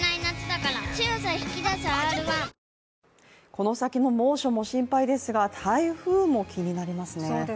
この先の猛暑も心配ですが台風も気になりますね。